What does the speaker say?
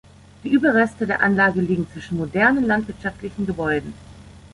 Die Überreste der Anlage liegen zwischen modernen landwirtschaftlichen Gebäuden.